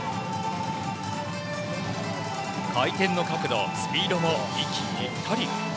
回転の角度、スピードも息ぴったり。